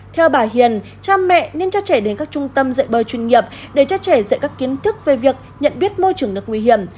theo bà hiền cha mẹ nên cho trẻ đến các trung tâm dạy bơi chuyên nghiệp để cho trẻ dạy các kiến thức về việc nhận biết môi trường nước nguy hiểm